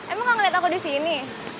emang gak ngeliat aku di sini